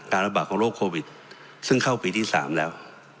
ระบาดของโรคโควิดซึ่งเข้าปีที่๓แล้ว